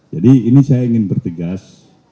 jadi ini saya ingin bertegas